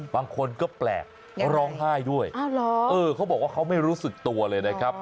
บางคนก็แปลกร้องไห้ด้วยเขาบอกว่าเขาไม่รู้สึกตัวเลยนะครับ